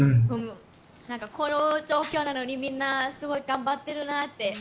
なんかこの状況なのに、みんな、すごい頑張ってるなって。